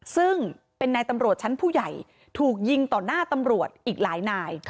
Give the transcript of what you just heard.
ซึ่งเป็นนายตำรวจชั้นผู้ใหญ่ถูกยิงต่อหน้าตำรวจอีกหลายนาย